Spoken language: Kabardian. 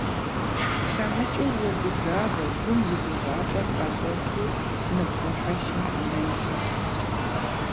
Плъэмыкӏыу уогузавэ, гум и гугъапӏэр ӏэщӏэхуу, ныбгъуэхьэшым къинэнкӏэ.